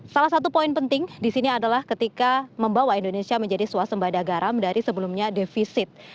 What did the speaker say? salah satu poin penting di sini adalah ketika membawa indonesia menjadi suasembada garam dari sebelumnya defisit